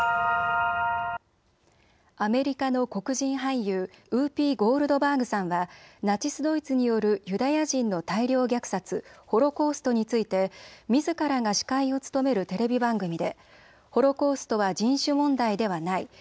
アメリカの黒人俳優、ウーピー・ゴールドバーグさんがナチス・ドイツによるユダヤ人の大量虐殺、ホロコーストについてみずからが司会を務めるテレビ番組でホロコーストは人種問題ではない。